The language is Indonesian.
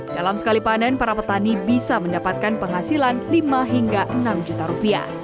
dalam sekali panen para petani bisa mendapatkan penghasilan rp lima hingga rp enam juta